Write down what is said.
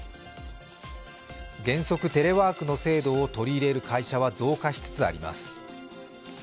原則テレワークの制度を取り入れる会社は増加しつつあります。